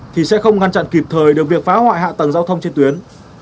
thì sẽ không ngăn chặn kịp thời được việc phá hoại hạ tầng giao thông trên tuyến